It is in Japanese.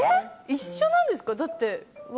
一緒なんですか？